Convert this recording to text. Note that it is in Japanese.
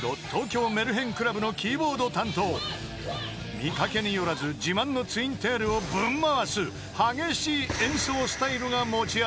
［見掛けによらず自慢のツインテールをぶん回す激しい演奏スタイルが持ち味］